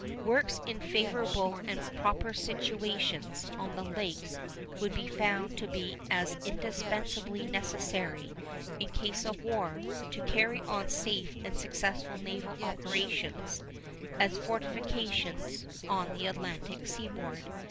Works in favorable and proper situations on the Lakes would be found to be as indispensably necessary, in case of war, to carry on safe and successful naval operations as fortifications on the Atlantic seaboard.